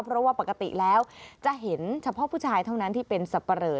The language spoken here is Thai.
เพราะว่าปกติแล้วจะเห็นเฉพาะผู้ชายเท่านั้นที่เป็นสับปะเหลอ